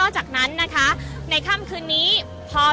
อาจจะออกมาใช้สิทธิ์กันแล้วก็จะอยู่ยาวถึงในข้ามคืนนี้เลยนะคะ